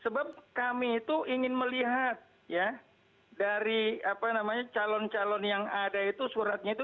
sebab kami itu ingin melihat ya dari apa namanya calon calon yang ada itu suratnya itu